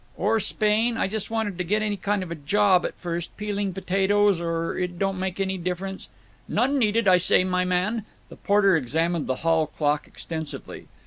"Or Spain? I just want to get any kind of a job at first. Peeling potatoes or—It don't make any difference—" "None needed, I said, my man." The porter examined the hall clock extensively.